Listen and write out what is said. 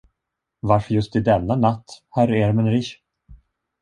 Varför just i denna natt, herr Ermenrich?